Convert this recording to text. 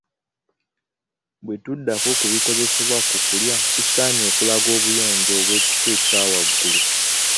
Bwe tuddako ku bikozesebwa ku kulya tusaanye okulaga obuyonjo obw’ekika ekya waggulu.